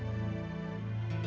ada apa dengan anak kita ya pak